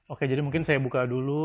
oke jadi mungkin saya buka dulu